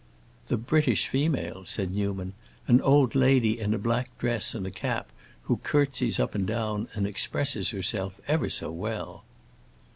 "The British female!" said Newman. "An old lady in a black dress and a cap, who curtsies up and down, and expresses herself ever so well."